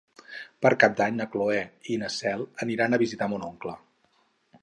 Per Cap d'Any na Cloè i na Cel aniran a visitar mon oncle.